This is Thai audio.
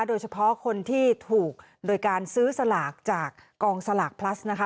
โดยเฉพาะคนที่ถูกโดยการซื้อสลากจากกองสลากพลัสนะคะ